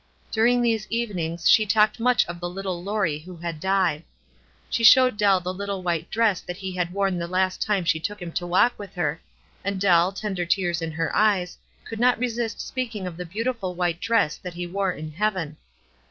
During these evenings she talked much of the little Laurie WISE AXD OTHERWISE. 351 who had died. She showed Dell the little whito dress that he had worn the last time she took him to walk with her; and Dell, tender tears in her eyes, could not resist speaking of the beautiful white dress that he wore in heaven.